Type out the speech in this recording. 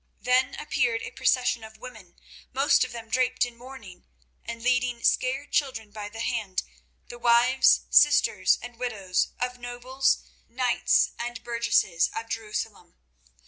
Then appeared a procession of women, most of them draped in mourning, and leading scared children by the hand; the wives, sisters, and widows of nobles, knights and burgesses of Jerusalem.